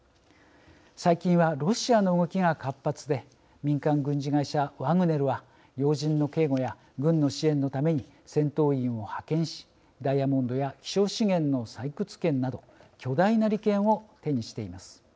最近はロシアの動きが活発で民間軍事会社ワグネルは要人の警護や軍の支援のために戦闘員を派遣しダイヤモンドや希少資源の採掘権など巨大な利権を手にしています。